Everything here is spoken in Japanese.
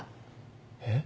えっ？